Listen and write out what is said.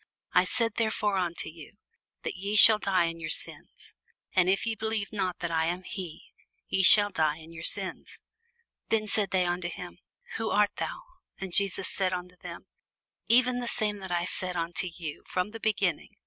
I said therefore unto you, that ye shall die in your sins: for if ye believe not that I am he, ye shall die in your sins. Then said they unto him, Who art thou? And Jesus saith unto them, Even the same that I said unto you from the beginning.